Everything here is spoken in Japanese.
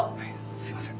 すいません。